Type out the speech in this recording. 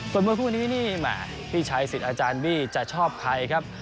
ส่วนมวยคู่นี้นี่แหมพี่ชัยสิทธิ์อาจารย์บี้จะชอบใครครับ